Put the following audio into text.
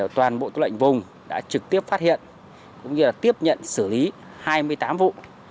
toàn bộ tư lệnh vùng đã trực tiếp phát hiện cũng như là tiếp nhận xử lý hai mươi tám vụ